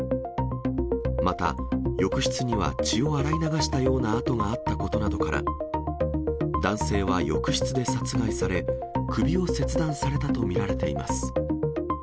また浴室には、血を洗い流したような跡があったことなどから、男性は浴室で殺害され、首を切断されたと見られています。